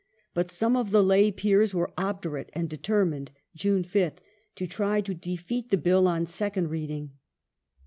But some of the lay Peers were obdurate, and determined (June 5th) to try to defeat the Bill on second Reading.